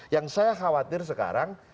yang saya khawatir sekarang